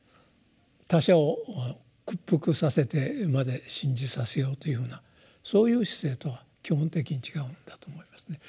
他者を屈服させてまで信じさせようというふうなそういう姿勢とは基本的に違うんだと思いますね。